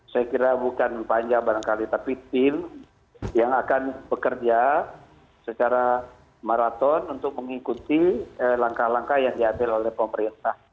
saya kira bukan panja barangkali tapi tim yang akan bekerja secara maraton untuk mengikuti langkah langkah yang diambil oleh pemerintah